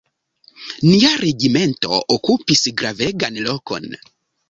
Nia regimento okupis gravegan lokon.